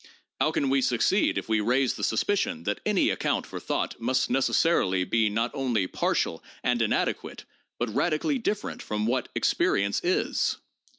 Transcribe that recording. How can we succeed if we raise the suspicion that any account for thought must necessarily be not only partial and inadequate, but radically different from what experience is?"